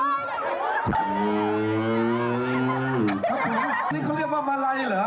นี่เขาเรียกว่ามาลัยเหรอ